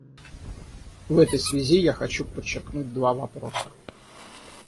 В этой связи я хочу подчеркнуть два вопроса.